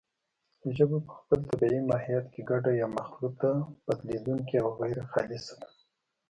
ژبه په خپل طبیعي ماهیت کې ګډه یا مخلوطه، بدلېدونکې او غیرخالصه ده